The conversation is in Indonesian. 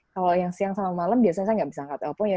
kalau yang siang sama malam biasanya saya nggak bisa angkat telepon ya